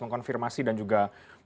mengkonfirmasi dan juga